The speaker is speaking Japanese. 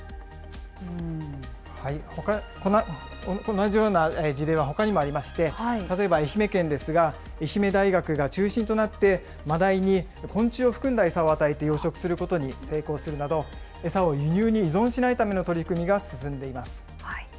同じような事例はほかにもありまして、例えば愛媛県ですが、愛媛大学が中心となって、マダイに昆虫を含んだ餌を与えて養殖することに成功するなど、餌を輸入に依存しないための取り組みが進んでいます。